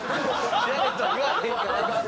やれとは言わへんから。